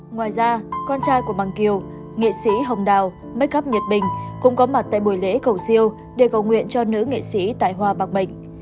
ngoài ra con trai của bằng kiều nghệ sĩ hồng đào make up nhật bình cũng có mặt tại buổi lễ cầu siêu để cầu nguyện cho nữ nghệ sĩ tài hoa bạc bệnh